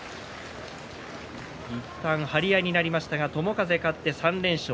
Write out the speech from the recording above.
いったん張り合いになりましたが友風が勝って３連勝。